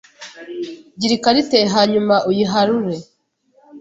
gura icarte hanyuma uyiharure